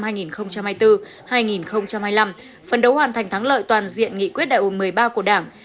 phần đấu hoàn thành thắng lợi toàn diện nghị quyết đại hội một mươi ba của đảng